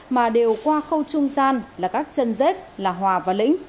mà đều qua khâu trung gian là các chân rết là hòa và lĩnh